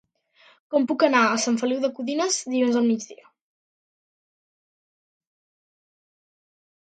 Com puc anar a Sant Feliu de Codines dilluns al migdia?